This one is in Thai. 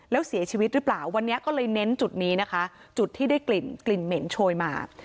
แล้วเสียชีวิตหรือเปล่าวันนี้ก็เลยเน้นจุดนี้นะคะจุดที่ได้กลิ่นกลิ่นเหม็นโชยมา